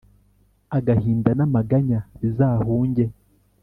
agahinda n’amaganya bizahunge.